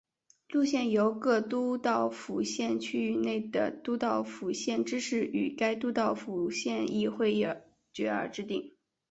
路线由各都道府县区域内的都道府县知事与该都道府县议会议决而制定。